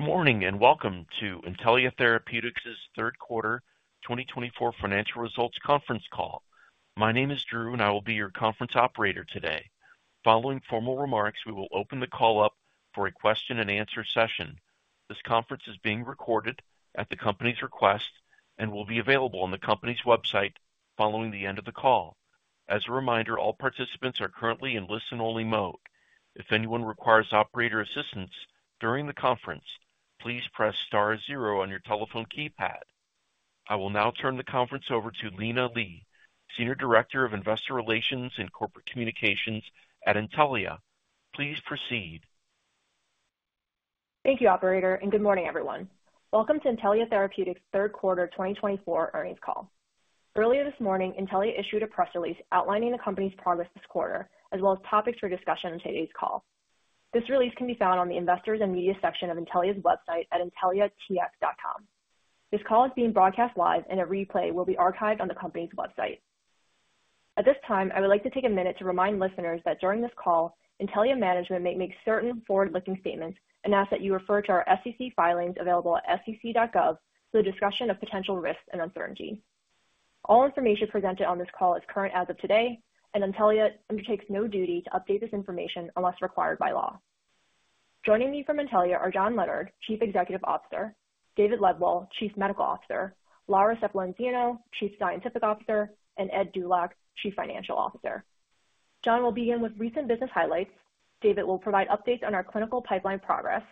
Good morning and welcome to Intellia Therapeutics' third quarter 2024 financial results conference call. My name is Drew, and I will be your conference operator today. Following formal remarks, we will open the call up for a question-and-answer session. This conference is being recorded at the company's request and will be available on the company's website following the end of the call. As a reminder, all participants are currently in listen-only mode. If anyone requires operator assistance during the conference, please press star zero on your telephone keypad. I will now turn the conference over to Lina Li, Senior Director of Investor Relations and Corporate Communications at Intellia. Please proceed. Thank you, Operator, and good morning, everyone. Welcome to Intellia Therapeutics' third quarter 2024 earnings call. Earlier this morning, Intellia issued a press release outlining the company's progress this quarter, as well as topics for discussion in today's call. This release can be found on the Investors and Media section of Intellia's website at intelliatx.com. This call is being broadcast live, and a replay will be archived on the company's website. At this time, I would like to take a minute to remind listeners that during this call, Intellia management may make certain forward-looking statements and ask that you refer to our SEC filings available at sec.gov for the discussion of potential risks and uncertainty. All information presented on this call is current as of today, and Intellia undertakes no duty to update this information unless required by law. Joining me from Intellia are John Leonard, Chief Executive Officer, David Lebwohl, Chief Medical Officer, Laura Sepp-Lorenzino, Chief Scientific Officer, and Ed Dulac, Chief Financial Officer. John will begin with recent business highlights. David will provide updates on our clinical pipeline progress.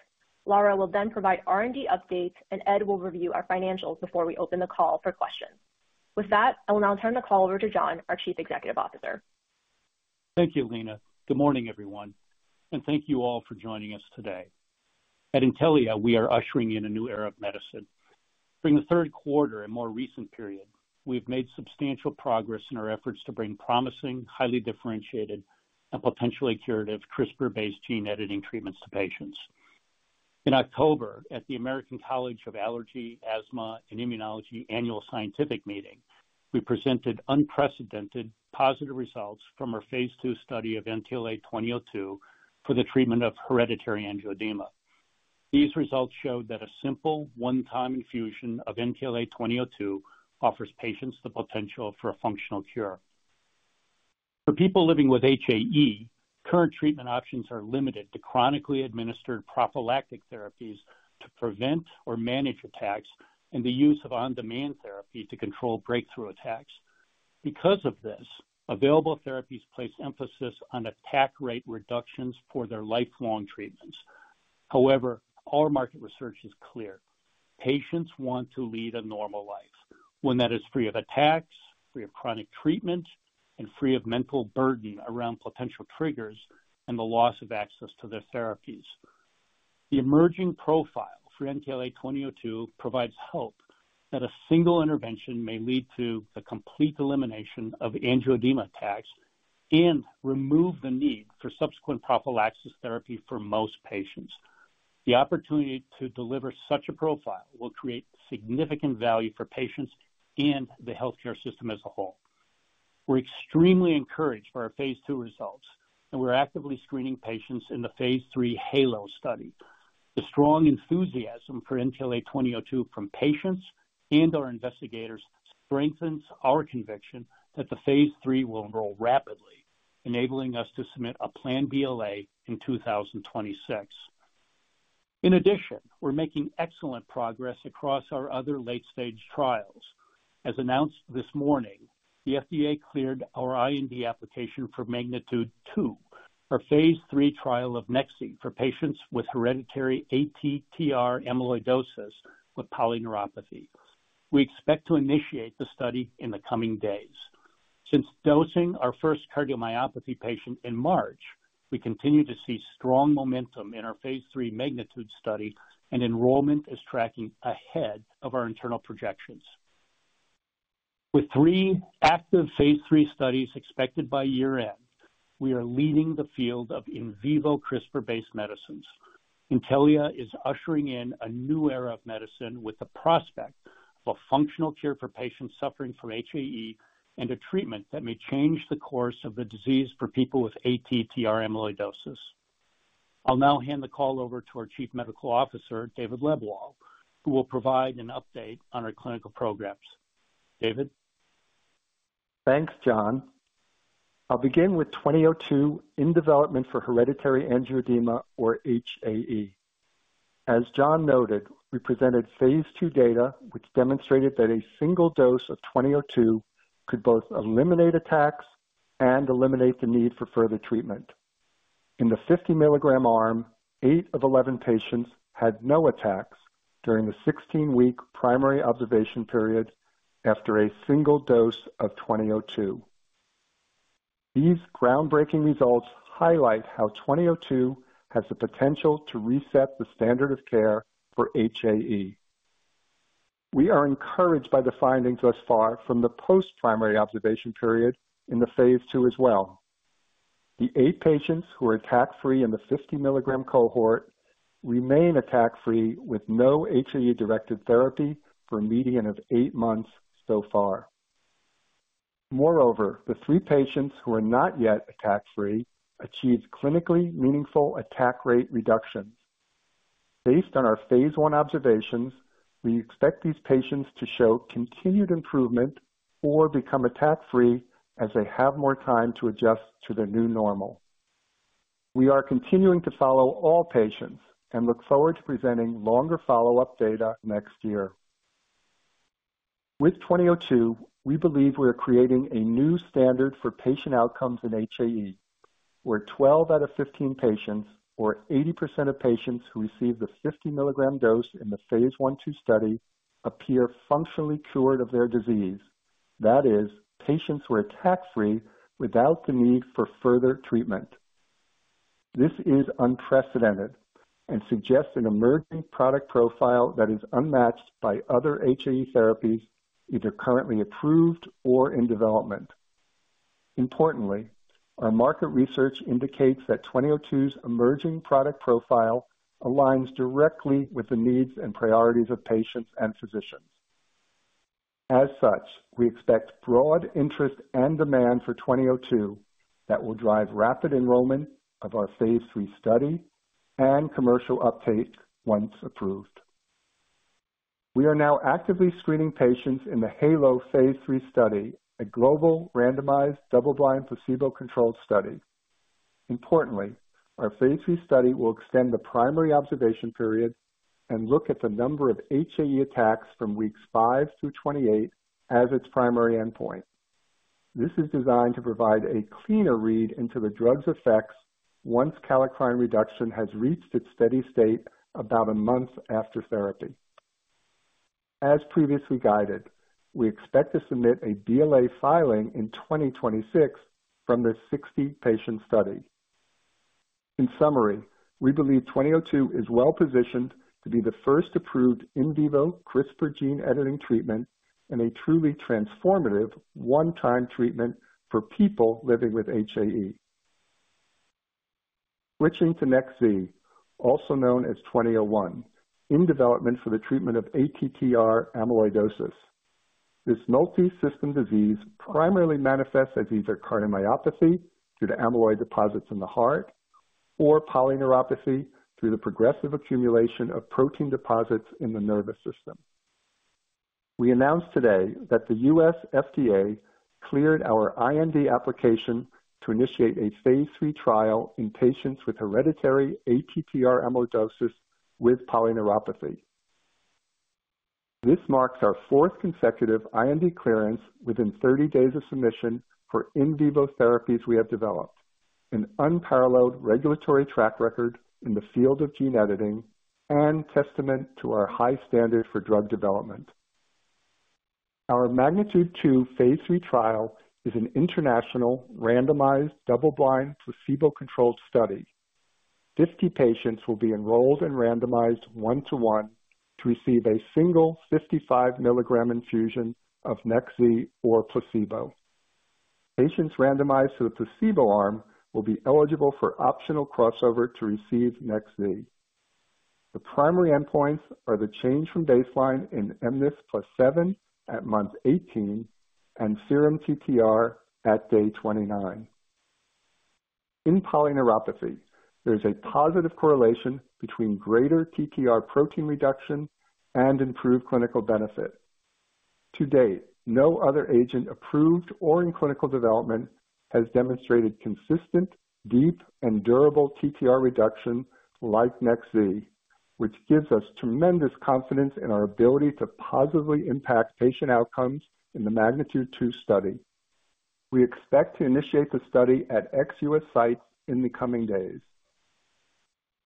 Laura will then provide R&D updates, and Ed will review our financials before we open the call for questions. With that, I will now turn the call over to John, our Chief Executive Officer. Thank you, Lina. Good morning, everyone, and thank you all for joining us today. At Intellia, we are ushering in a new era of medicine. During the third quarter and more recent period, we have made substantial progress in our efforts to bring promising, highly differentiated, and potentially curative CRISPR-based gene editing treatments to patients. In October, at the American College of Allergy, Asthma, and Immunology Annual Scientific Meeting, we presented unprecedented positive results from our phase two study of NTLA-2002 for the treatment of hereditary angioedema. These results showed that a simple one-time infusion of NTLA-2002 offers patients the potential for a functional cure. For people living with HAE, current treatment options are limited to chronically administered prophylactic therapies to prevent or manage attacks and the use of on-demand therapy to control breakthrough attacks. Because of this, available therapies place emphasis on attack rate reductions for their lifelong treatments. However, our market research is clear: patients want to lead a normal life, one that is free of attacks, free of chronic treatment, and free of mental burden around potential triggers and the loss of access to their therapies. The emerging profile for NTLA-2002 provides hope that a single intervention may lead to the complete elimination of angioedema attacks and remove the need for subsequent prophylaxis therapy for most patients. The opportunity to deliver such a profile will create significant value for patients and the healthcare system as a whole. We're extremely encouraged by our phase two results, and we're actively screening patients in Phase 3 HALO study. The strong enthusiasm for NTLA-2002 from patients and our investigators strengthens our conviction that Phase 3 will enroll rapidly, enabling us to submit a planned BLA in 2026. In addition, we're making excellent progress across our other late-stage trials. As announced this morning, the FDA cleared our IND application for MAGNITUDE-2, Phase 3 trial of Nex-Z for patients with hereditary ATTR amyloidosis with polyneuropathy. We expect to initiate the study in the coming days. Since dosing our first cardiomyopathy patient in March, we continue to see strong momentum in Phase 3 MAGNITUDE study, and enrollment is tracking ahead of our internal projections. With three Phase 3 studies expected by year-end, we are leading the field of in vivo CRISPR-based medicines. Intellia is ushering in a new era of medicine with the prospect of a functional cure for patients suffering from HAE and a treatment that may change the course of the disease for people with ATTR amyloidosis. I'll now hand the call over to our Chief Medical Officer, David Lebwohl, who will provide an update on our clinical programs. David. Thanks, John. I'll begin with 2002 in development for hereditary angioedema, or HAE. As John noted, we presented phase two data, which demonstrated that a single dose of 2002 could both eliminate attacks and eliminate the need for further treatment. In the 50-milligram arm, eight of 11 patients had no attacks during the 16-week primary observation period after a single dose of 2002. These groundbreaking results highlight how 2002 has the potential to reset the standard of care for HAE. We are encouraged by the findings thus far from the post-primary observation period in the phase two as well. The eight patients who are attack-free in the 50-milligram cohort remain attack-free with no HAE-directed therapy for a median of eight months so far. Moreover, the three patients who are not yet attack-free achieved clinically meaningful attack rate reductions. Based on our phase one observations, we expect these patients to show continued improvement or become attack-free as they have more time to adjust to their new normal. We are continuing to follow all patients and look forward to presenting longer follow-up data next year. With 2002, we believe we are creating a new standard for patient outcomes in HAE, where 12 out of 15 patients, or 80% of patients who received the 50-milligram dose in the phase one-two study, appear functionally cured of their disease. That is, patients who are attack-free without the need for further treatment. This is unprecedented and suggests an emerging product profile that is unmatched by other HAE therapies, either currently approved or in development. Importantly, our market research indicates that 2002's emerging product profile aligns directly with the needs and priorities of patients and physicians. As such, we expect broad interest and demand for 2002 that will drive rapid enrollment of Phase 3 study and commercial uptake once approved. We are now actively screening patients in the Phase 3 study, a global randomized double-blind placebo-controlled study. Importantly, Phase 3 study will extend the primary observation period and look at the number of HAE attacks from weeks 5 through 28 as its primary endpoint. This is designed to provide a cleaner read into the drug's effects once kallikrein reduction has reached its steady state about a month after therapy. As previously guided, we expect to submit a BLA filing in 2026 from the 60-patient study. In summary, we believe 2002 is well-positioned to be the first approved in vivo CRISPR gene editing treatment and a truly transformative one-time treatment for people living with HAE. Switching to Nex-Z, also known as NTLA-2001, in development for the treatment of ATTR amyloidosis. This multi-system disease primarily manifests as either cardiomyopathy due to amyloid deposits in the heart or polyneuropathy through the progressive accumulation of protein deposits in the nervous system. We announced today that the U.S. FDA cleared our IND application to initiate Phase 3 trial in patients with hereditary ATTR amyloidosis with polyneuropathy. This marks our fourth consecutive IND clearance within 30 days of submission for in vivo therapies we have developed, an unparalleled regulatory track record in the field of gene editing, and testament to our high standard for drug development. Our Phase 3 trial is an international randomized double-blind placebo-controlled study. 50 patients will be enrolled and randomized one-to-one to receive a single 55 mg infusion of Nex-Z or placebo. Patients randomized to the placebo arm will be eligible for optional crossover to receive Nex-Z. The primary endpoints are the change from baseline in mNIS+7 at month 18 and serum TTR at day 29. In polyneuropathy, there is a positive correlation between greater TTR protein reduction and improved clinical benefit. To date, no other agent approved or in clinical development has demonstrated consistent, deep, and durable TTR reduction like Nex-Z, which gives us tremendous confidence in our ability to positively impact patient outcomes in the MAGNITUDE-2 study. We expect to initiate the study at ex-US sites in the coming days.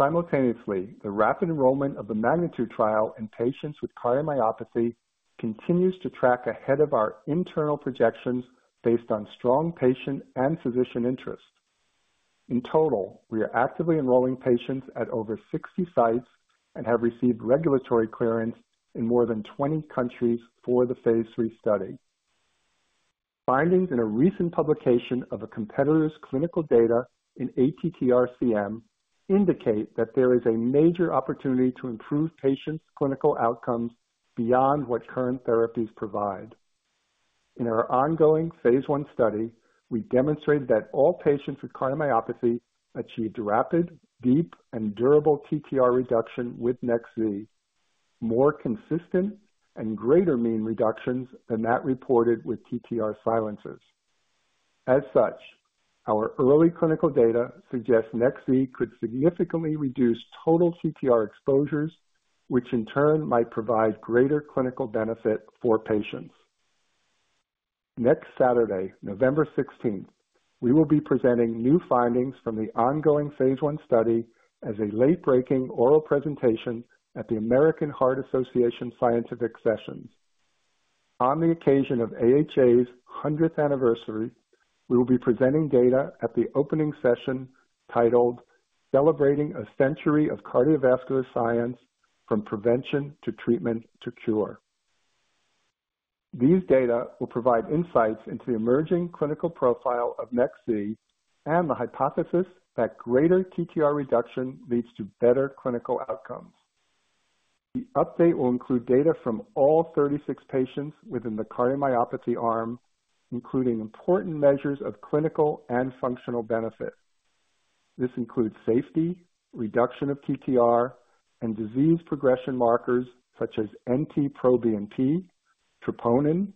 Simultaneously, the rapid enrollment of the MAGNITUDE trial in patients with cardiomyopathy continues to track ahead of our internal projections based on strong patient and physician interest. In total, we are actively enrolling patients at over 60 sites and have received regulatory clearance in more than 20 countries for Phase 3 study. Findings in a recent publication of a competitor's clinical data in ATTR-CM indicate that there is a major opportunity to improve patients' clinical outcomes beyond what current therapies provide. In our ongoing phase one study, we demonstrated that all patients with cardiomyopathy achieved rapid, deep, and durable TTR reduction with Nex-Z, more consistent and greater mean reductions than that reported with TTR silencers. As such, our early clinical data suggests Nex-Z could significantly reduce total TTR exposures, which in turn might provide greater clinical benefit for patients. Next Saturday, November 16th, we will be presenting new findings from the ongoing phase one study as a late-breaking oral presentation at the American Heart Association Scientific Sessions. On the occasion of AHA's 100th anniversary, we will be presenting data at the opening session titled "Celebrating a Century of Cardiovascular Science: From Prevention to Treatment to Cure." These data will provide insights into the emerging clinical profile of Nex-Z and the hypothesis that greater TTR reduction leads to better clinical outcomes. The update will include data from all 36 patients within the cardiomyopathy arm, including important measures of clinical and functional benefit. This includes safety, reduction of TTR, and disease progression markers such as NT-proBNP, troponin, and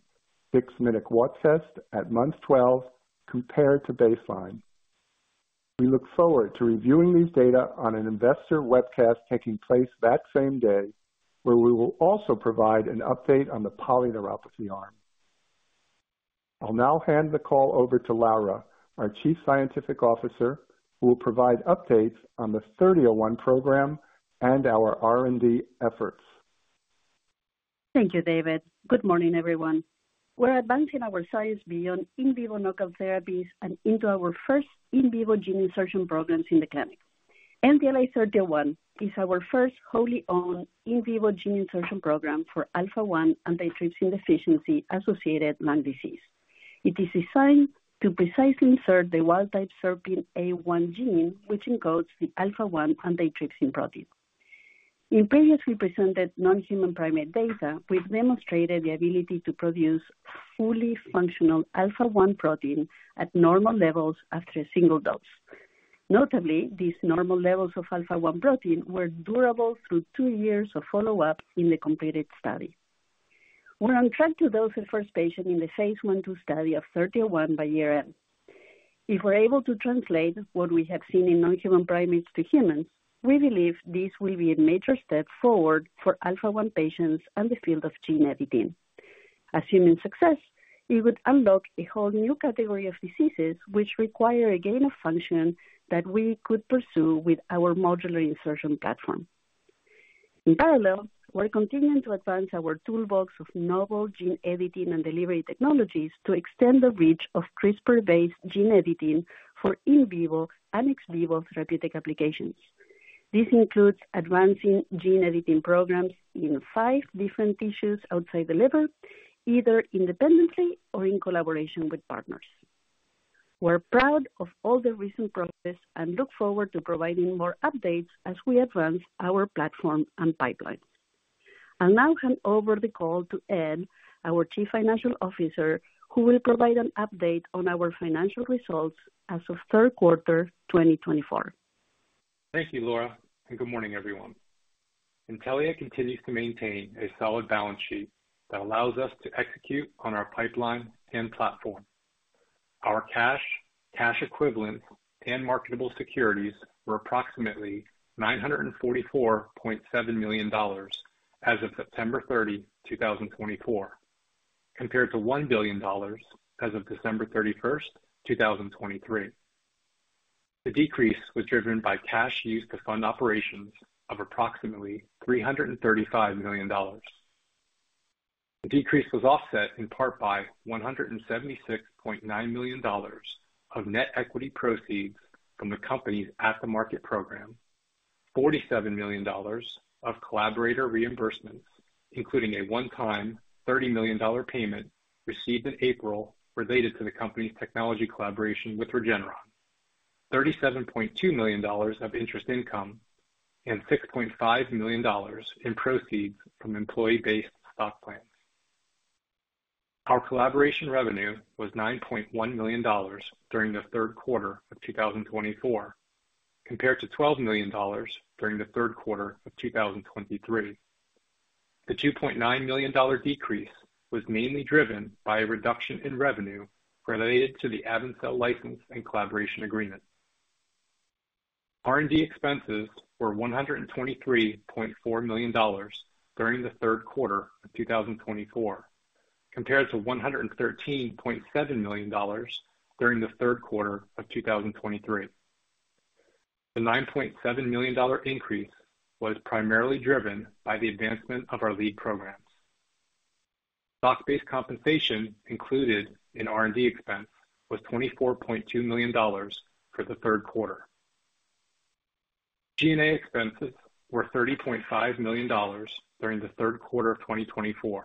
6-minute walk test at month 12 compared to baseline. We look forward to reviewing these data on an investor webcast taking place that same day, where we will also provide an update on the polyneuropathy arm. I'll now hand the call over to Laura, our Chief Scientific Officer, who will provide updates on the 3001 program and our R&D efforts. Thank you, David. Good morning, everyone. We're advancing our science beyond in vivo knockout therapies and into our first in vivo gene insertion programs in the clinic. NTLA-3001 is our first wholly owned in vivo gene insertion program for alpha-1 antitrypsin deficiency-associated lung disease. It is designed to precisely insert the wild-type SERPINA1 gene, which encodes the alpha-1 antitrypsin protein. In previously presented non-human primate data, we've demonstrated the ability to produce fully functional alpha-1 protein at normal levels after a single dose. Notably, these normal levels of alpha-1 protein were durable through two years of follow-up in the completed study. We're on track to dose the first patient in the phase one-two study of NTLA-3001 by year-end. If we're able to translate what we have seen in non-human primates to humans, we believe this will be a major step forward for alpha-1 patients and the field of gene editing. Assuming success, it would unlock a whole new category of diseases which require a gain of function that we could pursue with our modular insertion platform. In parallel, we're continuing to advance our toolbox of novel gene editing and delivery technologies to extend the reach of CRISPR-based gene editing for in vivo and ex vivo therapeutic applications. This includes advancing gene editing programs in five different tissues outside the liver, either independently or in collaboration with partners. We're proud of all the recent progress and look forward to providing more updates as we advance our platform and pipeline. I'll now hand over the call to Ed, our Chief Financial Officer, who will provide an update on our financial results as of third quarter 2024. Thank you, Laura, and good morning, everyone. Intellia continues to maintain a solid balance sheet that allows us to execute on our pipeline and platform. Our cash, cash equivalent, and marketable securities were approximately $944.7 million as of September 30, 2024, compared to $1 billion as of December 31, 2023. The decrease was driven by cash used to fund operations of approximately $335 million. The decrease was offset in part by $176.9 million of net equity proceeds from the company's aftermarket program, $47 million of collaborator reimbursements, including a one-time $30 million payment received in April related to the company's technology collaboration with Regeneron, $37.2 million of interest income, and $6.5 million in proceeds from employee-based stock plans. Our collaboration revenue was $9.1 million during the third quarter of 2024, compared to $12 million during the third quarter of 2023. The $2.9 million decrease was mainly driven by a reduction in revenue related to the AvenCell license and collaboration agreement. R&D expenses were $123.4 million during the third quarter of 2024, compared to $113.7 million during the third quarter of 2023. The $9.7 million increase was primarily driven by the advancement of our lead programs. Stock-based compensation included in R&D expense was $24.2 million for the third quarter. G&A expenses were $30.5 million during the third quarter of 2024,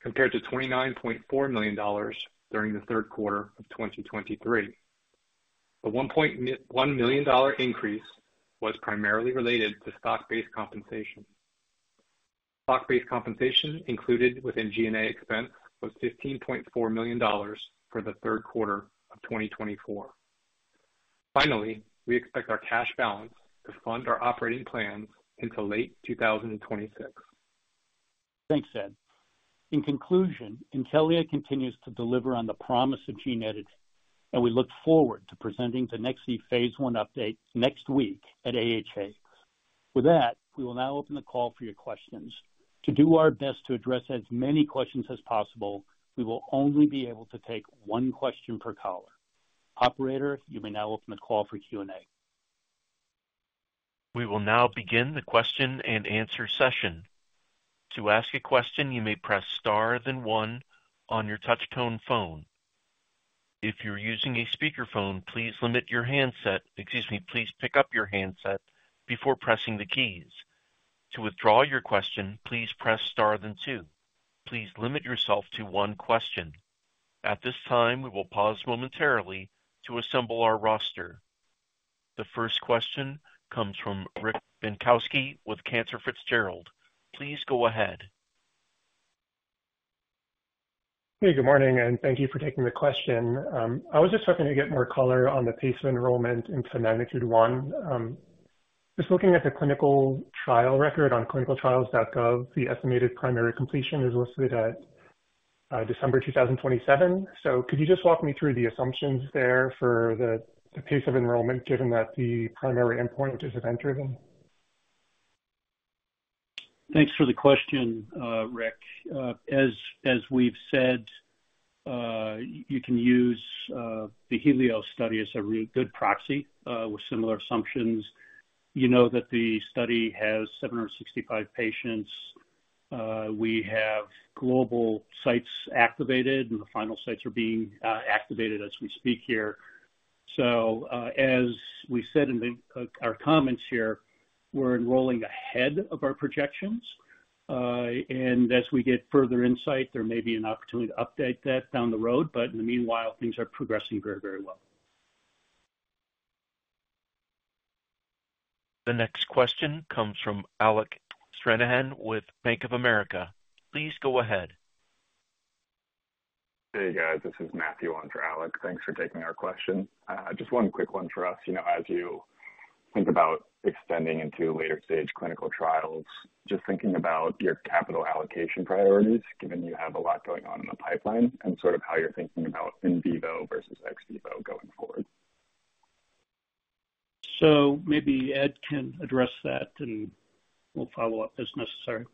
compared to $29.4 million during the third quarter of 2023. The $1 million increase was primarily related to stock-based compensation. Stock-based compensation included within G&A expense was $15.4 million for the third quarter of 2024. Finally, we expect our cash balance to fund our operating plans into late 2026. Thanks, Ed. In conclusion, Intellia continues to deliver on the promise of gene editing, and we look forward to presenting the Nex-Z phase one update next week at AHA. With that, we will now open the call for your questions. To do our best to address as many questions as possible, we will only be able to take one question per caller. Operator, you may now open the call for Q&A. We will now begin the question and answer session. To ask a question, you may press star then one on your touch-tone phone. If you're using a speakerphone, please limit your handset. Excuse me, please pick up your handset before pressing the keys. To withdraw your question, please press star then two. Please limit yourself to one question. At this time, we will pause momentarily to assemble our roster. The first question comes from Rick Bienkowski with Cantor Fitzgerald. Please go ahead. Hey, good morning, and thank you for taking the question. I was just hoping to get more color on the pace of enrollment into MAGNITUDE-1. Just looking at the clinical trial record on ClinicalTrials.gov, the estimated primary completion is listed at December 2027. So could you just walk me through the assumptions there for the pace of enrollment, given that the primary endpoint is event-driven? Thanks for the question, Rick. As we've said, you can use the HELIOS study as a good proxy with similar assumptions. You know that the study has 765 patients. We have global sites activated, and the final sites are being activated as we speak here. So as we said in our comments here, we're enrolling ahead of our projections, and as we get further insight, there may be an opportunity to update that down the road, but in the meanwhile, things are progressing very, very well. The next question comes from Alec Stranahan with Bank of America. Please go ahead. Hey, guys. This is Matthew on for Alec. Thanks for taking our question. Just one quick one for us. As you think about extending into later-stage clinical trials, just thinking about your capital allocation priorities, given you have a lot going on in the pipeline and sort of how you're thinking about in vivo versus ex vivo going forward. So maybe Ed can address that, and we'll follow up as necessary.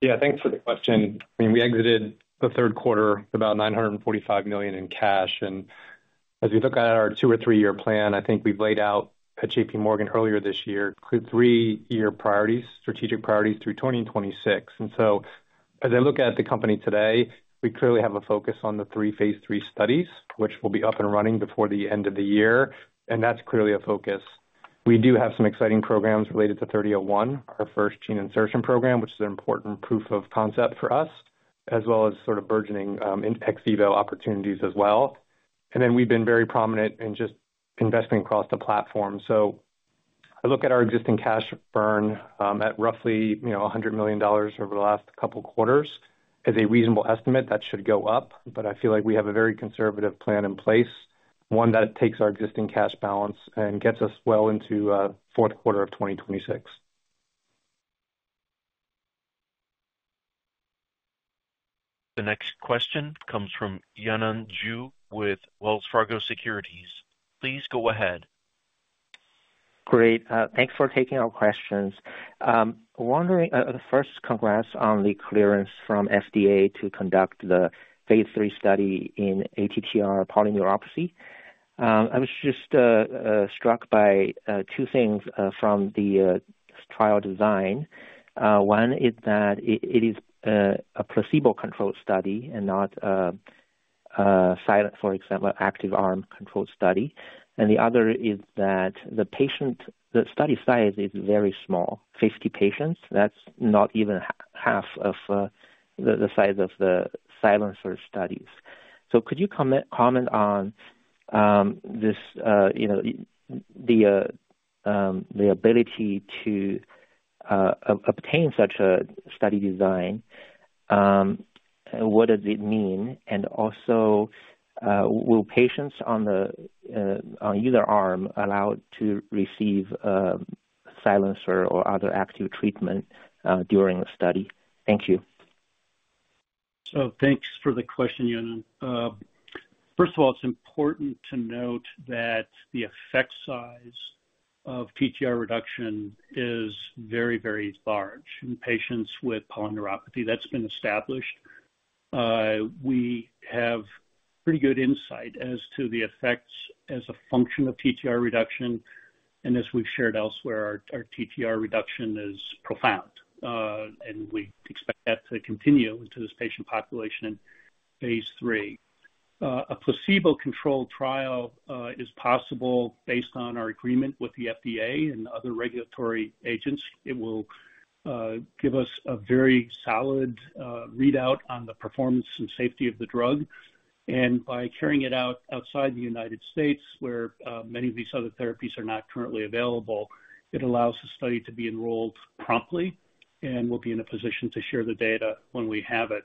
Yeah, thanks for the question. I mean, we exited the third quarter with about $945 million in cash. And as we look at our two or three-year plan, I think we've laid out at JPMorgan earlier this year three-year priorities, strategic priorities through 2026. And so as I look at the company today, we clearly have a focus on the Phase 3 studies, which will be up and running before the end of the year. And that's clearly a focus. We do have some exciting programs related to 3001, our first gene insertion program, which is an important proof of concept for us, as well as sort of burgeoning ex vivo opportunities as well. And then we've been very prominent in just investing across the platform. So I look at our existing cash burn at roughly $100 million over the last couple of quarters. It's a reasonable estimate that should go up, but I feel like we have a very conservative plan in place, one that takes our existing cash balance and gets us well into fourth quarter of 2026. The next question comes from Yanan Zhu with Wells Fargo Securities. Please go ahead. Great. Thanks for taking our questions. First, congrats on the clearance from FDA to conduct Phase 3 study in ATTR polyneuropathy. I was just struck by two things from the trial design. One is that it is a placebo-controlled study and not silencer, for example, active arm controlled study. And the other is that the patient—the study size is very small, 50 patients. That's not even half of the size of the silencer studies. So could you comment on the ability to obtain such a study design? What does it mean? And also, will patients on either arm allowed to receive silencer or other active treatment during the study? Thank you. Thanks for the question, Yanan. First of all, it's important to note that the effect size of TTR reduction is very, very large in patients with polyneuropathy. That's been established. We have pretty good insight as to the effects as a function of TTR reduction. And as we've shared elsewhere, our TTR reduction is profound, and we expect that to continue into this patient population Phase 3. A placebo-controlled trial is possible based on our agreement with the FDA and other regulatory agents. It will give us a very solid readout on the performance and safety of the drug. And by carrying it out outside the United States, where many of these other therapies are not currently available, it allows the study to be enrolled promptly and we'll be in a position to share the data when we have it.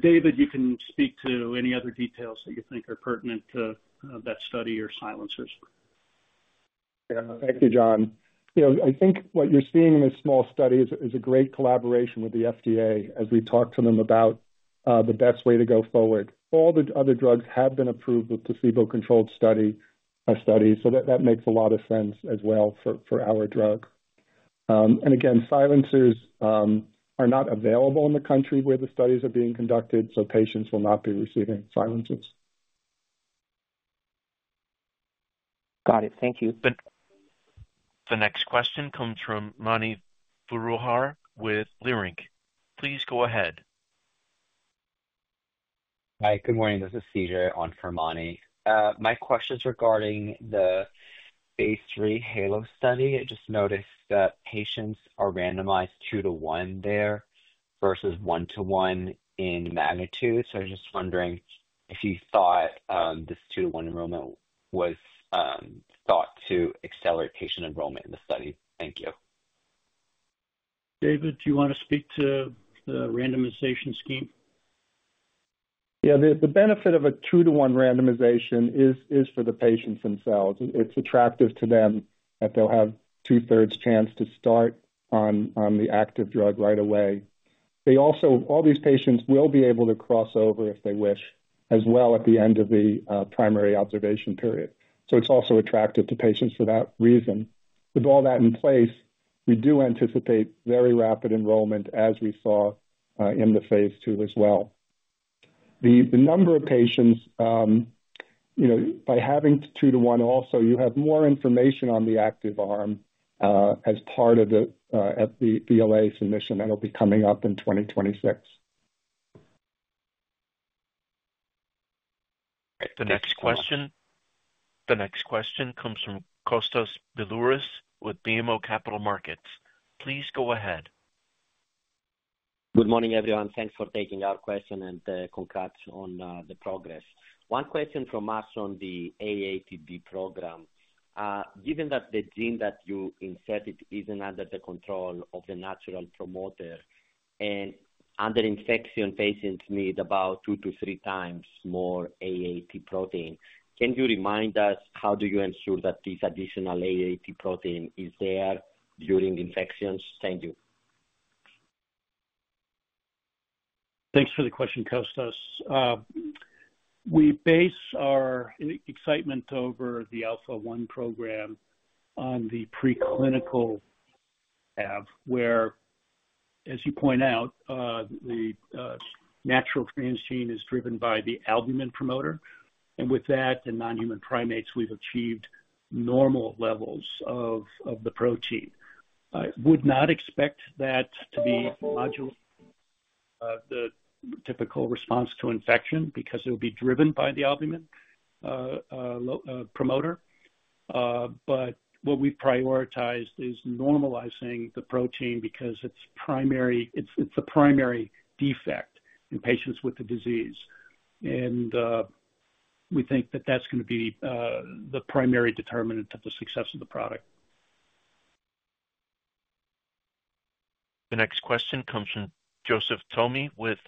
David, you can speak to any other details that you think are pertinent to that study or silencers. Yeah, thank you, John. I think what you're seeing in this small study is a great collaboration with the FDA as we talk to them about the best way to go forward. All the other drugs have been approved with placebo-controlled studies, so that makes a lot of sense as well for our drug. And again, silencers are not available in the country where the studies are being conducted, so patients will not be receiving silencers. Got it. Thank you. The next question comes from Mani Foroohar with Leerink. Please go ahead. Hi, good morning. This is CJ on for Mani. My question is regarding Phase 3 HALO study. I just noticed that patients are randomized two to one there versus one to one in MAGNITUDE. So I was just wondering if you thought this two to one enrollment was thought to accelerate patient enrollment in the study. Thank you. David, do you want to speak to the randomization scheme? Yeah, the benefit of a two to one randomization is for the patients themselves. It's attractive to them that they'll have two-thirds chance to start on the active drug right away. All these patients will be able to cross over if they wish as well at the end of the primary observation period. So it's also attractive to patients for that reason. With all that in place, we do anticipate very rapid enrollment as we saw in the phase two as well. The number of patients, by having two to one also, you have more information on the active arm as part of the BLA submission that'll be coming up in 2026. The next question comes from Kostas Biliouris with BMO Capital Markets. Please go ahead. Good morning, everyone. Thanks for taking our question and congrats on the progress. One question from us on the AATD program. Given that the gene that you inserted isn't under the control of the natural promoter, and during infection, patients need about two to three times more AAT protein, can you remind us how do you ensure that this additional AAT protein is there during infections? Thank you. Thanks for the question, Kostas. We base our excitement over the Alpha-1 program on the preclinical lab, where, as you point out, the natural transgene is driven by the albumin promoter, and with that and non-human primates, we've achieved normal levels of the protein. I would not expect that to be the typical response to infection because it will be driven by the albumin promoter, but what we've prioritized is normalizing the protein because it's the primary defect in patients with the disease, and we think that that's going to be the primary determinant of the success of the product. The next question comes from Joseph Thome with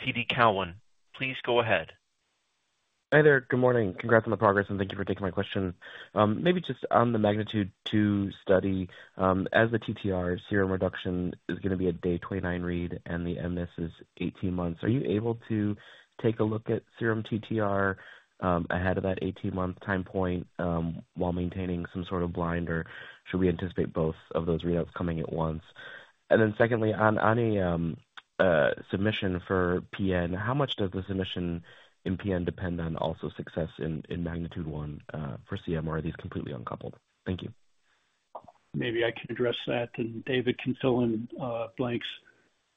TD Cowen. Please go ahead. Hi there. Good morning. Congrats on the progress, and thank you for taking my question. Maybe just on the MAGNITUDE-2 study, as the serum TTR reduction is going to be a day 29 read, and the mNIS+7 is 18 months. Are you able to take a look at serum TTR ahead of that 18-month time point while maintaining some sort of blind, or should we anticipate both of those readouts coming at once? And then secondly, on a submission for PN, how much does the submission in PN depend on also success in MAGNITUDE for CM, or are these completely uncoupled? Thank you. Maybe I can address that, and David can fill in blanks.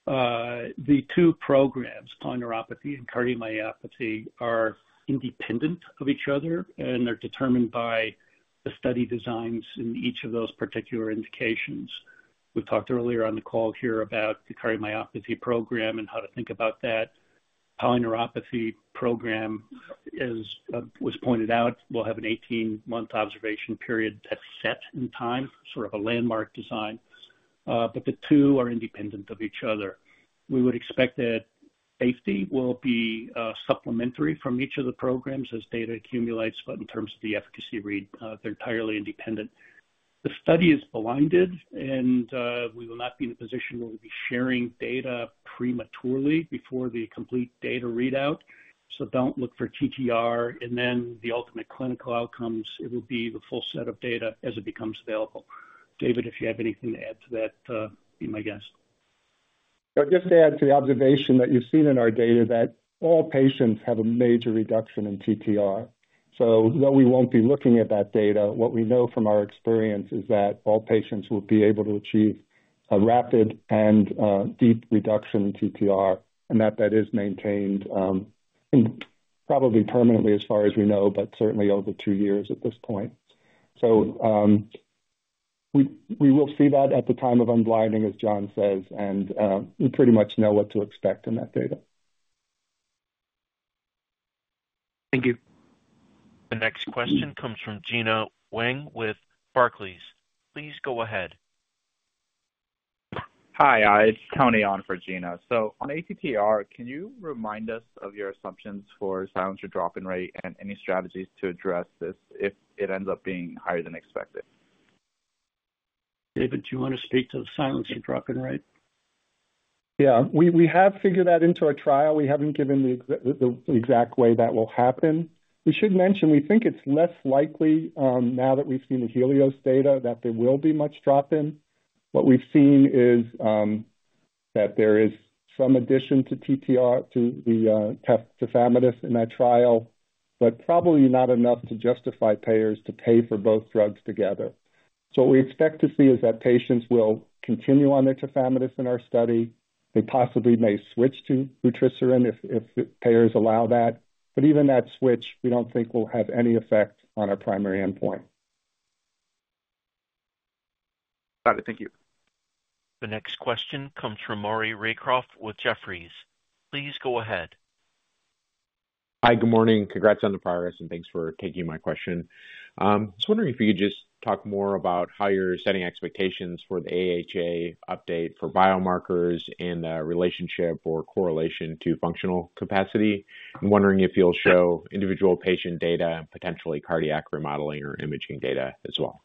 The two programs, polyneuropathy and cardiomyopathy, are independent of each other, and they're determined by the study designs in each of those particular indications. We've talked earlier on the call here about the cardiomyopathy program and how to think about that. Polyneuropathy program, as was pointed out, will have an 18-month observation period that's set in time, sort of a landmark design. But the two are independent of each other. We would expect that safety will be supplementary from each of the programs as data accumulates, but in terms of the efficacy read, they're entirely independent. The study is blinded, and we will not be in a position where we'll be sharing data prematurely before the complete data readout. So don't look for TTR and then the ultimate clinical outcomes. It will be the full set of data as it becomes available. David, if you have anything to add to that, be my guest. I'll just add to the observation that you've seen in our data that all patients have a major reduction in TTR. So though we won't be looking at that data, what we know from our experience is that all patients will be able to achieve a rapid and deep reduction in TTR, and that that is maintained probably permanently as far as we know, but certainly over two years at this point. So we will see that at the time of unblinding, as John says, and we pretty much know what to expect in that data. Thank you. The next question comes from Gena Wang with Barclays. Please go ahead. Hi, it's Tony on for Gena. So on ATTR, can you remind us of your assumptions for silencer drop-in rate and any strategies to address this if it ends up being higher than expected? David, do you want to speak to the silencer drop-in rate? Yeah. We have figured that into our trial. We haven't given the exact way that will happen. We should mention we think it's less likely now that we've seen the Helios data that there will be much drop-in. What we've seen is that there is some addition to TTR to the tafamidis in that trial, but probably not enough to justify payers to pay for both drugs together. So what we expect to see is that patients will continue on their tafamidis in our study. They possibly may switch to vutrisiran if payers allow that. But even that switch, we don't think will have any effect on our primary endpoint. Got it. Thank you. The next question comes from Maury Raycroft with Jefferies. Please go ahead. Hi, good morning. Congrats on the progress, and thanks for taking my question. I was wondering if you could just talk more about how you're setting expectations for the AHA update for biomarkers and the relationship or correlation to functional capacity. I'm wondering if you'll show individual patient data, potentially cardiac remodeling or imaging data as well?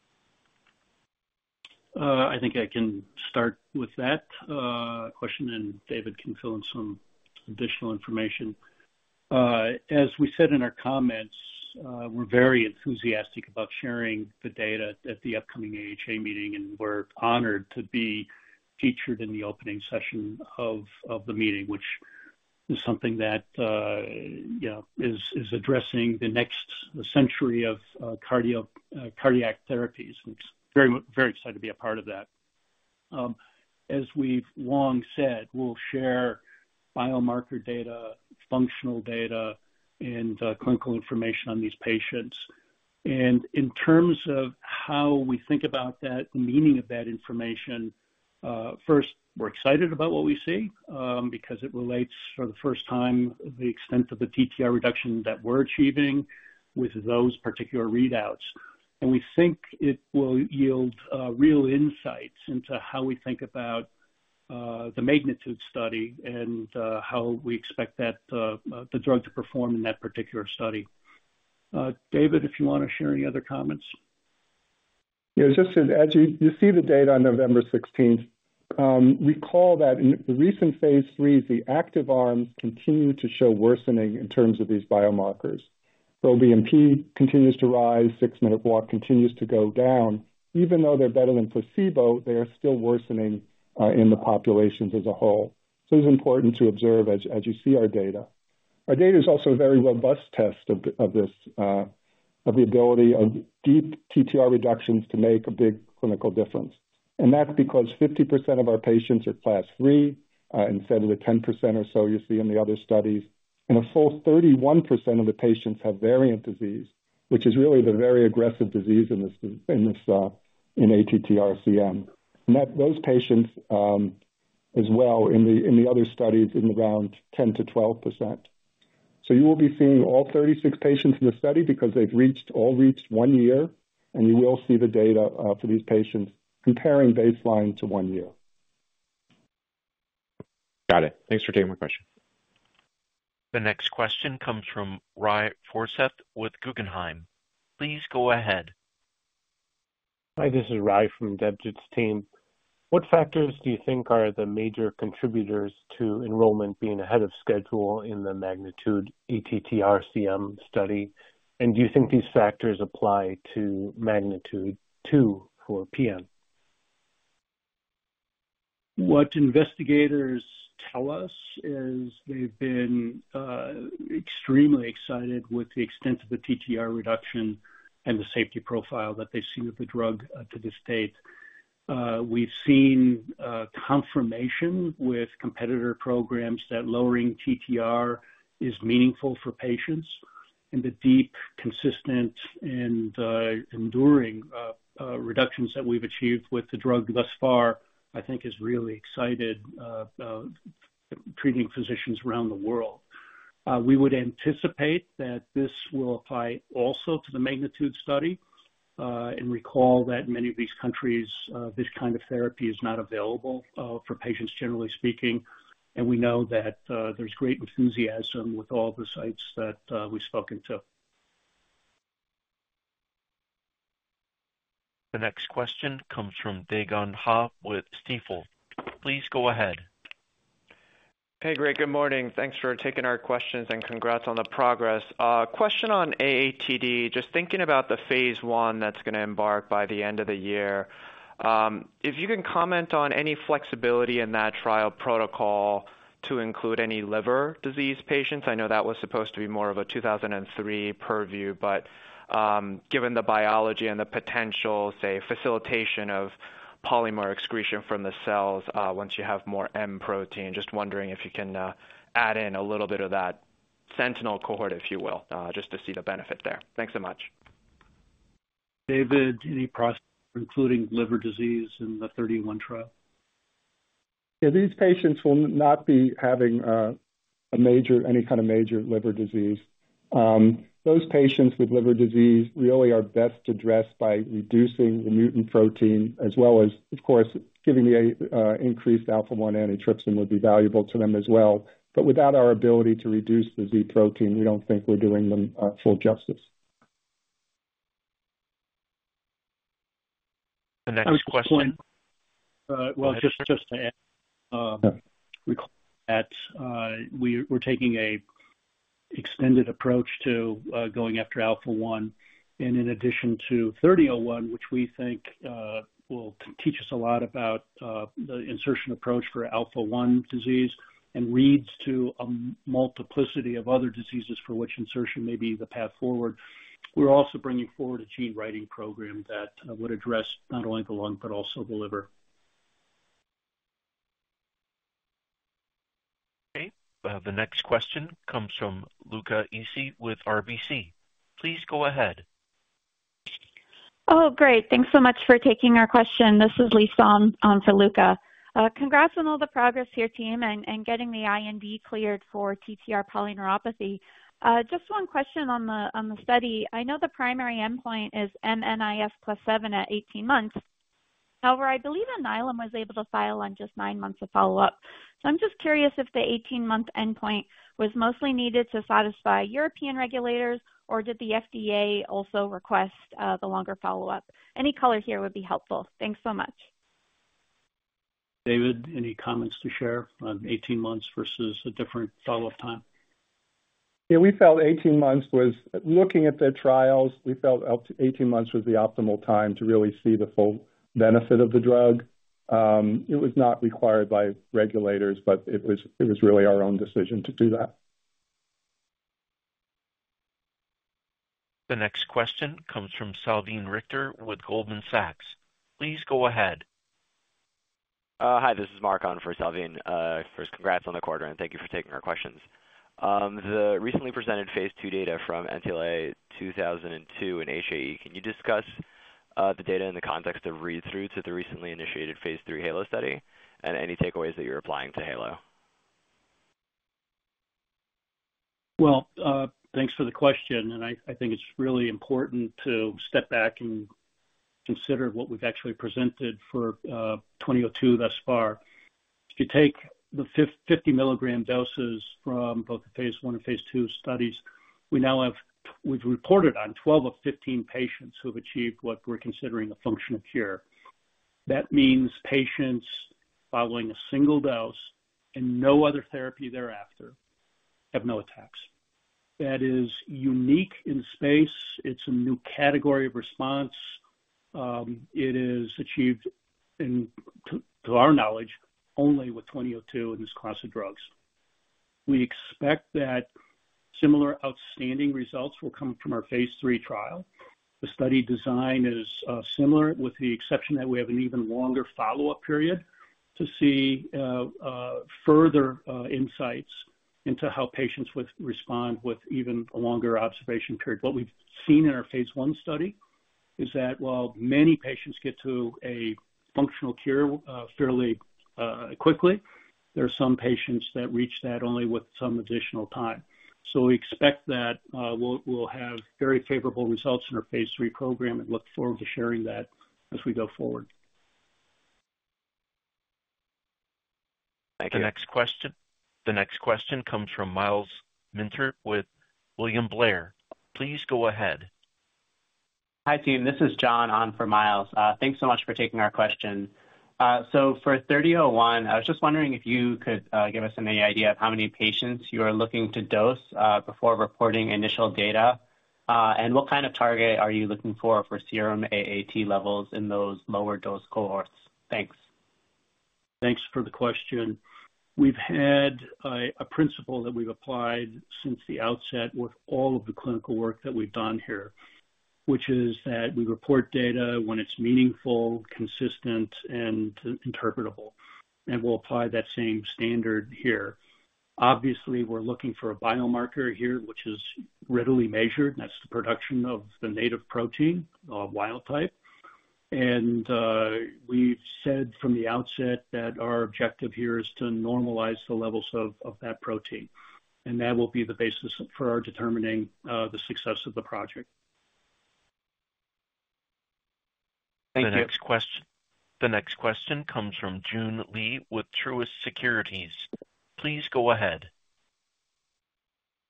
I think I can start with that question, and David can fill in some additional information. As we said in our comments, we're very enthusiastic about sharing the data at the upcoming AHA meeting, and we're honored to be featured in the opening session of the meeting, which is something that is addressing the next century of cardiac therapies. We're very excited to be a part of that. As we've long said, we'll share biomarker data, functional data, and clinical information on these patients. And in terms of how we think about that, the meaning of that information, first, we're excited about what we see because it relates for the first time to the extent of the TTR reduction that we're achieving with those particular readouts. We think it will yield real insights into how we think about the MAGNITUDE study and how we expect the drug to perform in that particular study. David, if you want to share any other comments. Yeah, just to add, you'll see the data on November 16th. Recall that in the Phase 3s, the active arms continue to show worsening in terms of these biomarkers. NT-proBNP continues to rise. 6-minute walk continues to go down. Even though they're better than placebo, they are still worsening in the populations as a whole. So it's important to observe as you see our data. Our data is also a very robust test of the ability of deep TTR reductions to make a big clinical difference. And that's because 50% of our patients are Class III instead of the 10% or so you see in the other studies. And a full 31% of the patients have variant disease, which is really the very aggressive disease in ATTR-CM. And those patients as well in the other studies in around 10%-12%. You will be seeing all 36 patients in the study because they've all reached one year, and you will see the data for these patients comparing baseline to one year. Got it. Thanks for taking my question. The next question comes from Ry with Guggenheim. Please go ahead. Hi, this is Ry from Debjit's team. What factors do you think are the major contributors to enrollment being ahead of schedule in the MAGNITUDE ATTRCM study? And do you think these factors apply to MAGNITUDE-2 for PN? What investigators tell us is they've been extremely excited with the extent of the TTR reduction and the safety profile that they've seen with the drug to this date. We've seen confirmation with competitor programs that lowering TTR is meaningful for patients. And the deep, consistent, and enduring reductions that we've achieved with the drug thus far, I think, has really excited treating physicians around the world. We would anticipate that this will apply also to the MAGNITUDE study. And recall that in many of these countries, this kind of therapy is not available for patients, generally speaking. And we know that there's great enthusiasm with all the sites that we've spoken to. The next question comes from Dae Gon Ha with Stifel. Please go ahead. Hey, great. Good morning. Thanks for taking our questions and congrats on the progress. Question on AATD, just thinking about the phase one that's going to embark by the end of the year, if you can comment on any flexibility in that trial protocol to include any liver disease patients. I know that was supposed to be more of a 2003 purview, but given the biology and the potential, say, facilitation of polymer excretion from the cells once you have more M protein, just wondering if you can add in a little bit of that sentinel cohort, if you will, just to see the benefit there. Thanks so much. David, any prospects for including liver disease in the 31 trial? Yeah, these patients will not be having any kind of major liver disease. Those patients with liver disease really are best addressed by reducing the mutant protein, as well as, of course, giving the increased alpha-1 antitrypsin would be valuable to them as well. But without our ability to reduce the Z protein, we don't think we're doing them full justice. The next question. Just to add, recall that we're taking an extended approach to going after alpha-1 and in addition to 3001, which we think will teach us a lot about the insertion approach for alpha-1 disease and leads to a multiplicity of other diseases for which insertion may be the path forward. We're also bringing forward a gene-writing program that would address not only the lung but also the liver. Okay. The next question comes from Luca Issi with RBC. Please go ahead. Oh, great. Thanks so much for taking our question. This is Lisa on for Luca. Congrats on all the progress here, team, and getting the IND cleared for TTR polyneuropathy. Just one question on the study. I know the primary endpoint is mNIS+7 at 18 months. However, I believe Alnylam was able to file on just nine months of follow-up. So I'm just curious if the 18-month endpoint was mostly needed to satisfy European regulators, or did the FDA also request the longer follow-up? Any color here would be helpful. Thanks so much. David, any comments to share on 18 months versus a different follow-up time? Yeah, we felt 18 months was looking at the trials. We felt 18 months was the optimal time to really see the full benefit of the drug. It was not required by regulators, but it was really our own decision to do that. The next question comes from Salveen Richter with Goldman Sachs. Please go ahead. Hi, this is Mark on for Salveen. First, congrats on the quarter, and thank you for taking our questions. The recently presented phase two data from NTLA-2002 and HAE, can you discuss the data in the context of read-through to the recently Phase 3 HALO study and any takeaways that you're applying to HALO? Thanks for the question. I think it's really important to step back and consider what we've actually presented for 2002 thus far. If you take the 50-milligram doses from both the phase one and phase two studies, we've reported on 12 of 15 patients who have achieved what we're considering a functional cure. That means patients following a single dose and no other therapy thereafter have no attacks. That is unique in space. It's a new category of response. It is achieved, to our knowledge, only with 2002 and this class of drugs. We expect that similar outstanding results will come from Phase 3 trial. The study design is similar, with the exception that we have an even longer follow-up period to see further insights into how patients respond with even a longer observation period. What we've seen in our phase one study is that while many patients get to a functional cure fairly quickly, there are some patients that reach that only with some additional time. So we expect that we'll have very favorable results in Phase 3 program and look forward to sharing that as we go forward. Thank you. The next question comes from Miles Minter with William Blair. Please go ahead. Hi, team. This is John on for Miles. Thanks so much for taking our question. So for 3001, I was just wondering if you could give us any idea of how many patients you are looking to dose before reporting initial data, and what kind of target are you looking for for serum AAT levels in those lower dose cohorts? Thanks. Thanks for the question. We've had a principle that we've applied since the outset with all of the clinical work that we've done here, which is that we report data when it's meaningful, consistent, and interpretable, and we'll apply that same standard here. Obviously, we're looking for a biomarker here, which is readily measured, and that's the production of the native protein, wild type, and we've said from the outset that our objective here is to normalize the levels of that protein, and that will be the basis for determining the success of the project. Thank you. The next question comes from Joon Lee with Truist Securities. Please go ahead.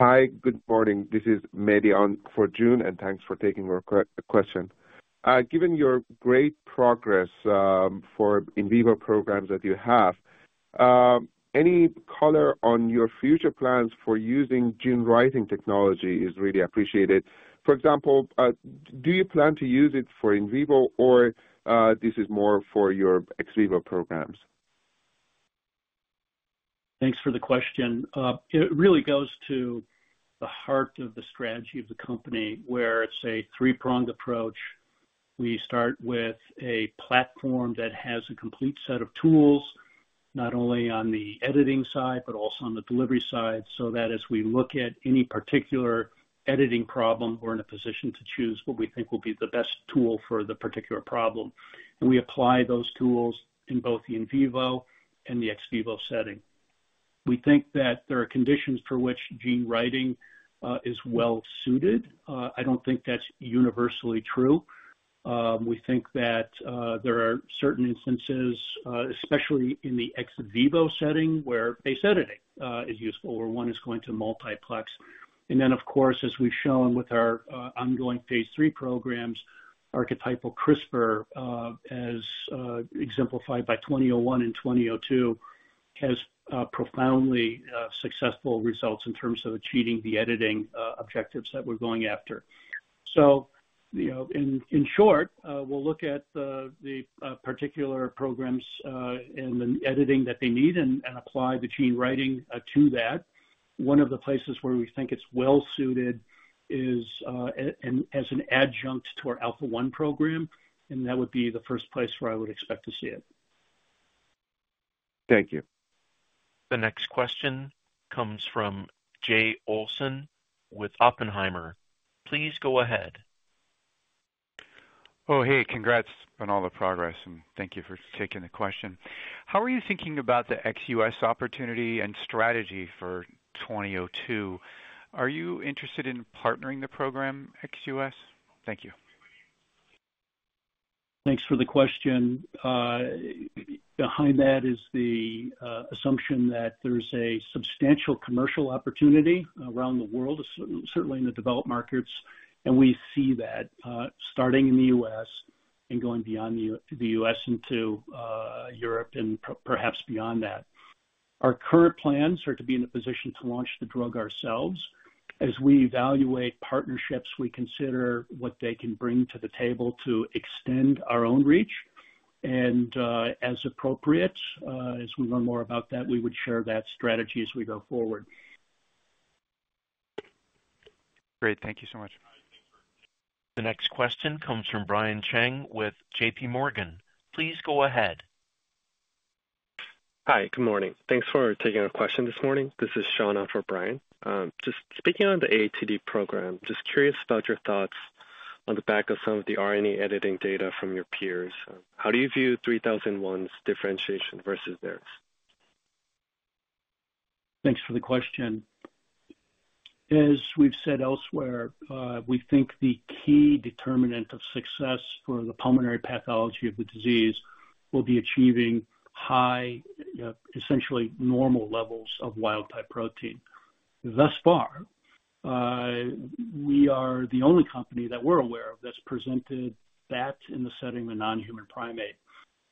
Hi, good morning. This is Mehdi on for Joon, and thanks for taking our question. Given your great progress for in vivo programs that you have, any color on your future plans for using gene-writing technology is really appreciated. For example, do you plan to use it for in vivo, or this is more for your ex vivo programs? Thanks for the question. It really goes to the heart of the strategy of the company, where it's a three-pronged approach. We start with a platform that has a complete set of tools, not only on the editing side but also on the delivery side, so that as we look at any particular editing problem, we're in a position to choose what we think will be the best tool for the particular problem. And we apply those tools in both the in vivo and the ex vivo setting. We think that there are conditions for which gene-writing is well-suited. I don't think that's universally true. We think that there are certain instances, especially in the ex vivo setting, where base editing is useful or one is going to multiplex. Then, of course, as we've shown with our Phase 3 programs, our typical CRISPR, as exemplified by 2001 and 2002, has profoundly successful results in terms of achieving the editing objectives that we're going after. In short, we'll look at the particular programs and the editing that they need and apply the gene-writing to that. One of the places where we think it's well-suited is as an adjunct to our alpha-1 program, and that would be the first place where I would expect to see it. Thank you. The next question comes from Jay Olson with Oppenheimer. Please go ahead. Oh, hey, congrats on all the progress, and thank you for taking the question. How are you thinking about the ex-U.S. opportunity and strategy for 2002? Are you interested in partnering the program, ex-U.S.? Thank you. Thanks for the question. Behind that is the assumption that there's a substantial commercial opportunity around the world, certainly in the developed markets. We see that starting in the U.S. and going beyond the U.S. into Europe and perhaps beyond that. Our current plans are to be in a position to launch the drug ourselves. As we evaluate partnerships, we consider what they can bring to the table to extend our own reach. As appropriate, as we learn more about that, we would share that strategy as we go forward. Great. Thank you so much. The next question comes from Brian Cheng with JPMorgan. Please go ahead. Hi, good morning. Thanks for taking our question this morning. This is Sean on for Brian. Just speaking on the AATD program, just curious about your thoughts on the back of some of the RNA editing data from your peers. How do you view 3001's differentiation versus theirs? Thanks for the question. As we've said elsewhere, we think the key determinant of success for the pulmonary pathology of the disease will be achieving high, essentially normal levels of wild-type protein. Thus far, we are the only company that we're aware of that's presented that in the setting of a non-human primate.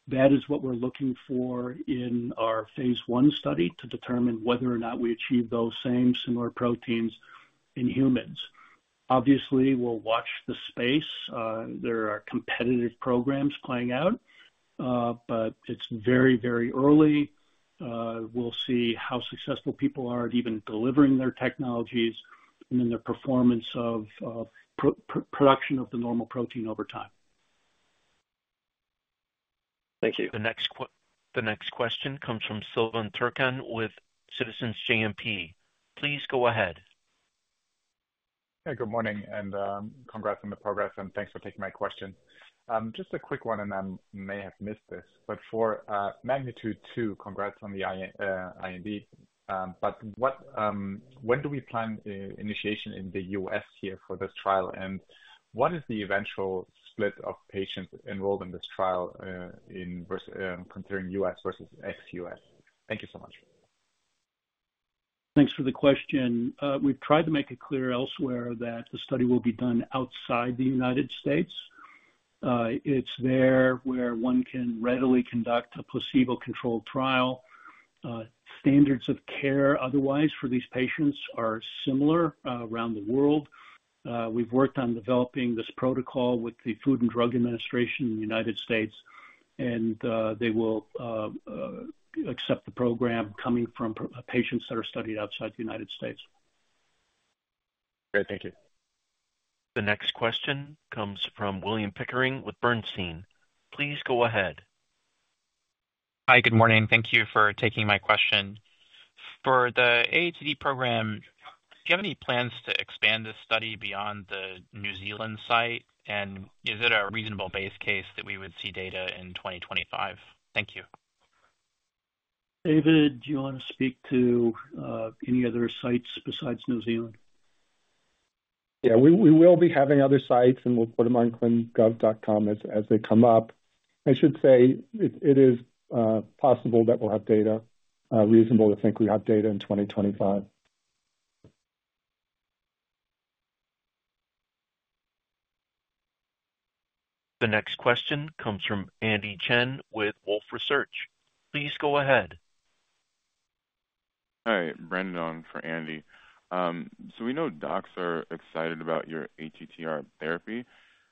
That is what we're looking for in our phase one study to determine whether or not we achieve those same similar proteins in humans. Obviously, we'll watch the space. There are competitive programs playing out, but it's very, very early. We'll see how successful people are at even delivering their technologies and then their performance of production of the normal protein over time. Thank you. The next question comes from Silvan Tuerkcan with Citizens JMP. Please go ahead. Hey, good morning, and congrats on the progress, and thanks for taking my question. Just a quick one, and I may have missed this, but for MAGNITUDE-2, congrats on the IND, but when do we plan initiation in the US here for this trial, and what is the eventual split of patients enrolled in this trial considering US versus XUS? Thank you so much. Thanks for the question. We've tried to make it clear elsewhere that the study will be done outside the United States. It's there where one can readily conduct a placebo-controlled trial. Standards of care otherwise for these patients are similar around the world. We've worked on developing this protocol with the Food and Drug Administration in the United States, and they will accept the program coming from patients that are studied outside the United States. Great. Thank you. The next question comes from William Pickering with Bernstein. Please go ahead. Hi, good morning. Thank you for taking my question. For the AATD program, do you have any plans to expand this study beyond the New Zealand site, and is it a reasonable base case that we would see data in 2025? Thank you. David, do you want to speak to any other sites besides New Zealand? Yeah, we will be having other sites, and we'll put them on clinicaltrials.gov as they come up. I should say it is possible that we'll have data. Reasonable to think we have data in 2025. The next question comes from Andy Chen with Wolfe Research. Please go ahead. Hi, Brendan on for Andy. So we know docs are excited about your ATTR therapy,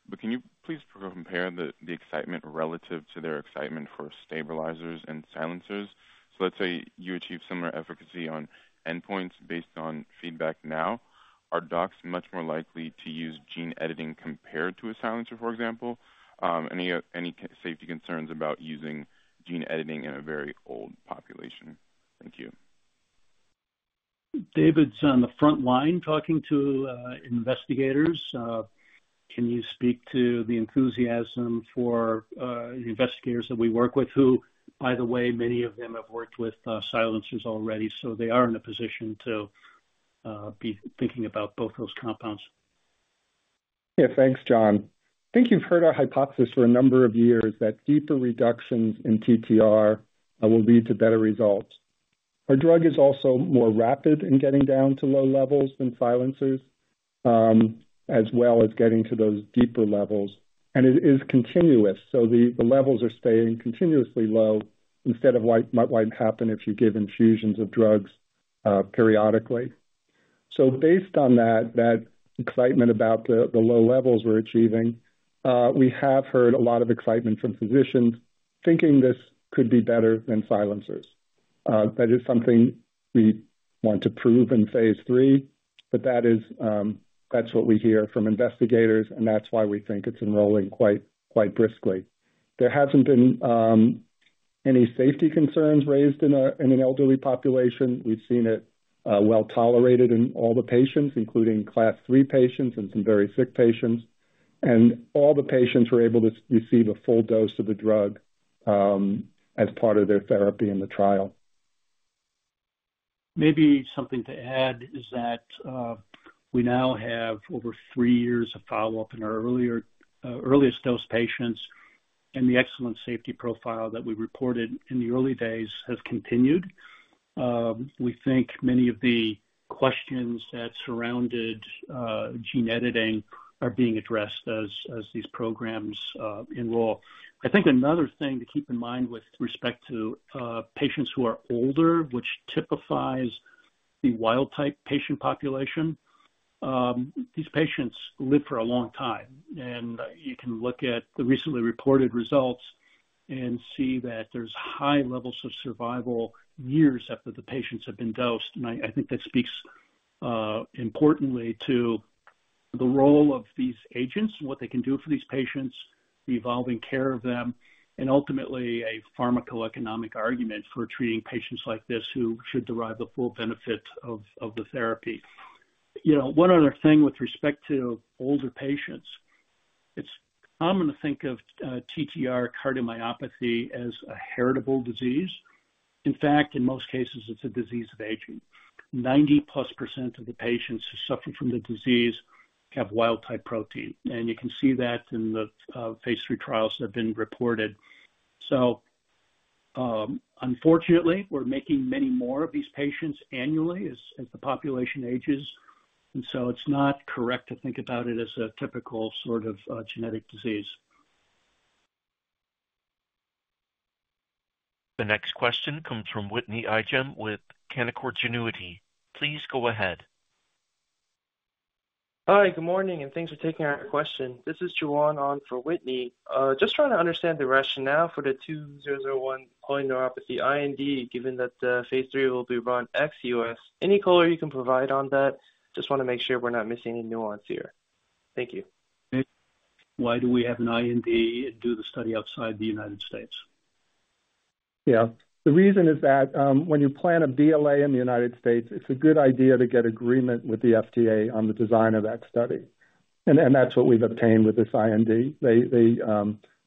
but can you please compare the excitement relative to their excitement for stabilizers and silencers? So let's say you achieve similar efficacy on endpoints based on feedback now. Are docs much more likely to use gene editing compared to a silencer, for example? Any safety concerns about using gene editing in a very old population? Thank you. David's on the front line talking to investigators. Can you speak to the enthusiasm for the investigators that we work with, who, by the way, many of them have worked with silencers already, so they are in a position to be thinking about both those compounds? Yeah, thanks, John. I think you've heard our hypothesis for a number of years that deeper reductions in TTR will lead to better results. Our drug is also more rapid in getting down to low levels than silencers, as well as getting to those deeper levels. And it is continuous, so the levels are staying continuously low instead of what might happen if you give infusions of drugs periodically. So based on that, that excitement about the low levels we're achieving, we have heard a lot of excitement from physicians thinking this could be better than silencers. That is something we want to prove Phase 3, but that's what we hear from investigators, and that's why we think it's enrolling quite briskly. There haven't been any safety concerns raised in an elderly population. We've seen it well tolerated in all the patients, including Class III patients and some very sick patients, and all the patients were able to receive a full dose of the drug as part of their therapy in the trial. Maybe something to add is that we now have over three years of follow-up in our earliest dose patients, and the excellent safety profile that we reported in the early days has continued. We think many of the questions that surrounded gene editing are being addressed as these programs enroll. I think another thing to keep in mind with respect to patients who are older, which typifies the wild-type patient population, these patients live for a long time. And you can look at the recently reported results and see that there's high levels of survival years after the patients have been dosed. And I think that speaks importantly to the role of these agents, what they can do for these patients, the evolving care of them, and ultimately a pharmacoeconomic argument for treating patients like this who should derive the full benefit of the therapy. One other thing with respect to older patients, it's common to think of TTR cardiomyopathy as a heritable disease. In fact, in most cases, it's a disease of aging. 90-plus% of the patients who suffer from the disease have wild-type protein. And you can see that in Phase 3 trials that have been reported. So unfortunately, we're making many more of these patients annually as the population ages. And so it's not correct to think about it as a typical sort of genetic disease. The next question comes from Whitney Ijem with Canaccord Genuity. Please go ahead. Hi, good morning, and thanks for taking our question. This is Joanne on for Whitney. Just trying to understand the rationale for the 2001 polyneuropathy IND, given Phase 3 will be run ex-U.S. Any color you can provide on that? Just want to make sure we're not missing any nuance here. Thank you. Why do we have an IND and do the study outside the United States? Yeah. The reason is that when you plan a BLA in the United States, it's a good idea to get agreement with the FDA on the design of that study. And that's what we've obtained with this IND. They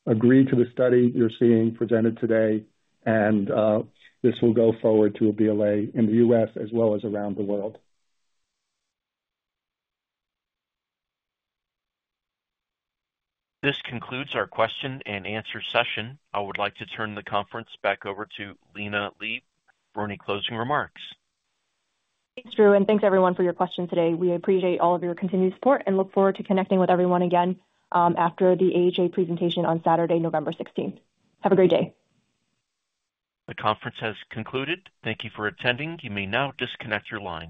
agreed to the study you're seeing presented today, and this will go forward to a BLA in the U.S. as well as around the world. This concludes our question-and-answer session. I would like to turn the conference back over to Lina Li, for any closing remarks. Thanks, Drew, and thanks everyone for your questions today. We appreciate all of your continued support and look forward to connecting with everyone again after the AHA presentation on Saturday, November 16th. Have a great day. The conference has concluded. Thank you for attending. You may now disconnect your line.